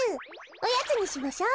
おやつにしましょう。